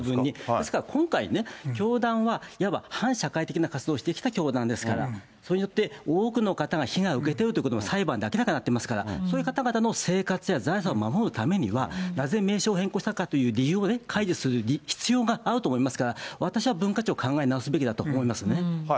ですから今回ね、教団は、いわば反社会的な活動をしてきた教団ですから、そうやって多くの方が被害を受けているということも裁判で明らかになってますから、そういう方々の生活や財産を守るためには、なぜ名称を変更したかという理由を開示する必要があると思いますから、私は文化庁、考え直すべきだと思いますね。